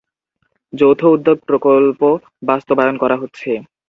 যৌথ উদ্যোগ প্রকল্প বাস্তবায়ন করা হচ্ছে।